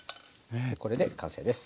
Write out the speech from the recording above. これで完成です。